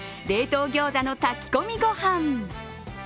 冷凍ギョーザの炊き込みごはん。